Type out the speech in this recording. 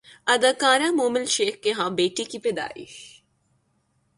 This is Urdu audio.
اداکارہ مومل شیخ کے ہاں بیٹی کی پیدائش